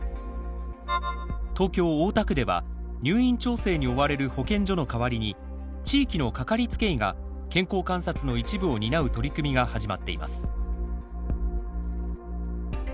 東京・大田区では入院調整に追われる保健所の代わりに地域のかかりつけ医が健康観察の一部を担う取り組みが始まっています。